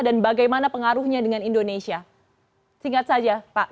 dan bagaimana pengaruhnya dengan indonesia singkat saja pak